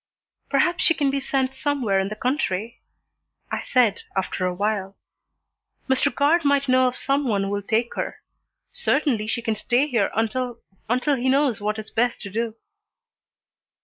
"Perhaps she can be sent somewhere in the country," I said, after a while. "Mr. Guard might know of some one who will take her. Certainly she can stay here until until he knows what is best to do."